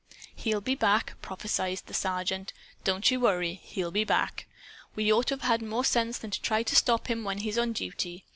"He'll be back," prophesied the Sergeant. "Don't you worry. He'll be back. We ought to have had more sense than try to stop him when he's on duty.